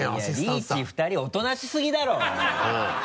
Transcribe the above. リーチ２人おとなしすぎだろう！